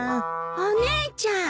お姉ちゃん。